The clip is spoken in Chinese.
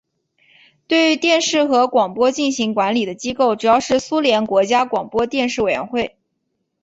对电视与广播进行管理的机构主要是苏联国家广播电视委员会。